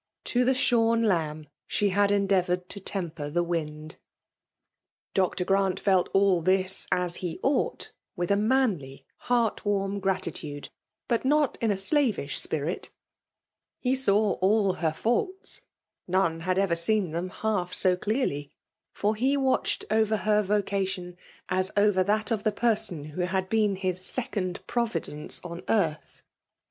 To the shorn lamb she had endeavoured to temper the wind. Dr. Grant felt all this as he ought ; with a manly, heart warm gratitude, but not in a slavish spirit* He saw all her faults, — none had ever seen them half so clearly; for he watched over her vocation as over that of the person who had been his second providence on earth.